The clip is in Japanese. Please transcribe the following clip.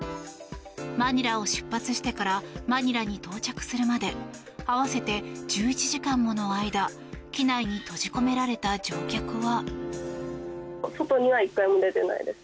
マニラを出発してからマニラに到着するまで合わせて１１時間もの間機内に閉じ込められた乗客は。